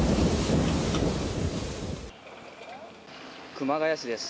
熊谷市です。